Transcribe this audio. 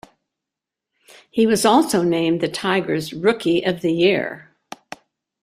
He was also named the Tigers Rookie of The Year.